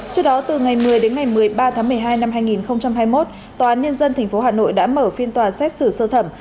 trước đó từ ngày một mươi đến ngày một mươi ba tháng một mươi hai năm hai nghìn hai mươi một tòa án nhân dân tp hà nội đã mở phiên tòa xét xử sơ thẩm